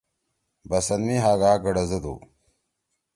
بَسَن می ہاگا گڑزدُو۔